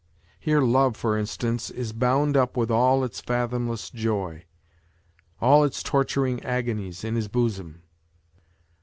Here love, for instance, is bound up with all its fathomless joy, all its torturing agonies in his bosom.